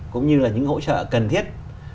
cũng như là những hỗ trợ cần thiết